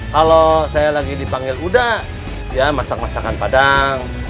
kalau saya lagi dipanggil uda ya masak masakan padang